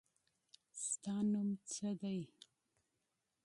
ستا نوم څه دی.